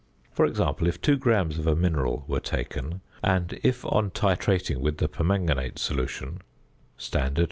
_ For example: if 2 grams of a mineral were taken, and if on titrating with the permanganate solution (standard 1.